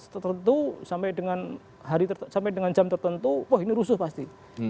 tertentu sampai dengan hari sampai dengan jam tertentu wah ini rusuh pasti